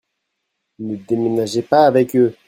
Ne déménagez pas avec eux.